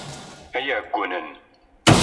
Ay iɛeggunen!